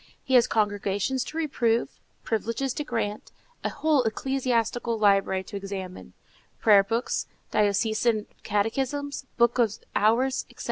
He has congregations to reprove, privileges to grant, a whole ecclesiastical library to examine,—prayer books, diocesan catechisms, books of hours, etc.